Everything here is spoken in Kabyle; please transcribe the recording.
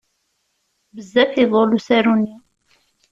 Bezzaf iḍul usaru-nni.